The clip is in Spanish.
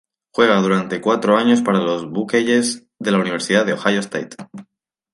Juega durante cuatro años para los Buckeyes de la Universidad de Ohio State.